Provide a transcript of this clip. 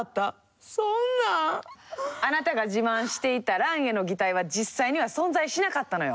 あなたが自慢していたランへの擬態は実際には存在しなかったのよ。